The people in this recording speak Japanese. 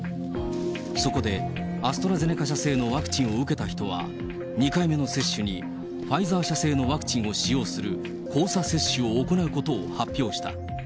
そこでアストラゼネカ社製のワクチンを受けた人は、２回目の接種に、ファイザー社製のワクチンを使用する交差接種を行うことを発表した。